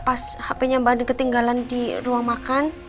pas hpnya mbak andin ketinggalan di ruang makan